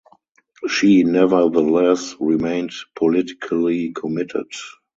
She nevertheless remained politically committed.